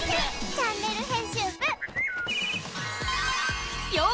チャンネル編集部へ！